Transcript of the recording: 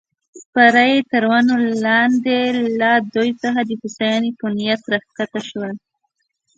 سپاره یې تر ونو لاندې له دوی څخه د هوساینې په نیت راکښته شول.